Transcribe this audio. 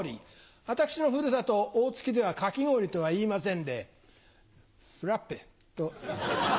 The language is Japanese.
私のふるさと大月ではかき氷とは言いませんでフラッペと。